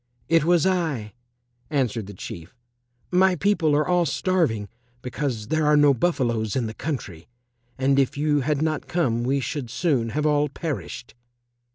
"It was I," answered the Chief. "My people are all starving because there are no buffaloes in the country, and if you had not come we should soon have all perished."